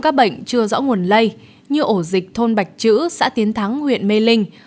các bệnh chưa rõ nguồn lây như ổ dịch thôn bạch chữ xã tiến thắng huyện mê linh